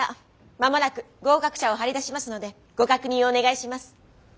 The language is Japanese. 間もなく合格者を貼り出しますのでご確認をお願いします。